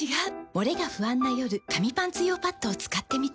モレが不安な夜紙パンツ用パッドを使ってみた。